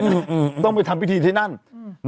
อืมต้องไปทำพิธีที่นั่นอืม